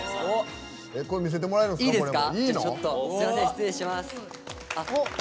これも見せてもらえるんですか？